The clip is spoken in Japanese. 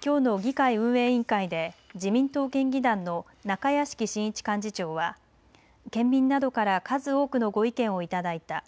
きょうの議会運営委員会で自民党県議団の中屋敷慎一幹事長は県民などから数多くのご意見をいただいた。